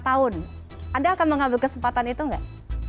lima tahun anda akan mengambil kesempatan itu gak